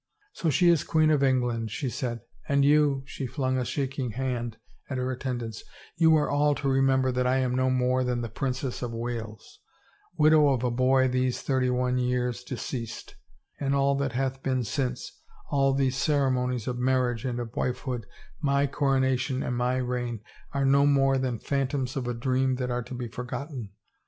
" So she is Queen of England," she said, *' and you —" she flung a shaking hand at her attendants, " you are all to remember that I am no more than the Princess of Wales — widow of a boy these thirty one years de ceased — and all that hath been since, all these cere monies of marriage and of wifehood, my coronation and my reign, are no more than phantoms of a dream that are to be forgotten!